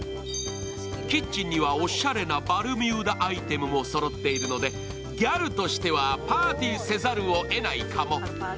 キッチンにはおしゃれなバルミューダアイテムもそろっているのでギャルとしては、パーティーせざるをえないかも。